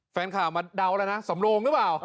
แฟนข่าวมาเดาแล้วนะสำโลงหรือเปล่า